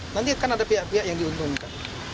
nanti akan ada pihak pihak yang diuntungkan